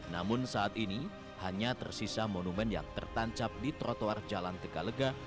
namun saat ini hanya tersisa monumen yang tertancap di trotoar jalan tegalega